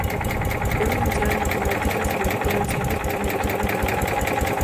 Es licenciada en Matemáticas y doctora en Ciencias por la Universidad de Granada.